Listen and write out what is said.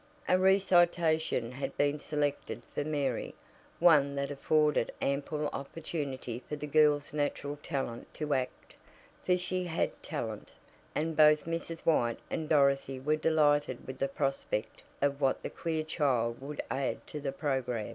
A recitation had been selected for Mary one that afforded ample opportunity for the child's natural talent to act for she had talent, and both Mrs. White and Dorothy were delighted with the prospect of what the queer child would add to the program.